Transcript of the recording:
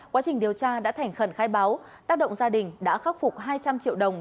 quá trình điều tra đã thành khẩn khai báo tác động gia đình đã khắc phục hai trăm linh triệu đồng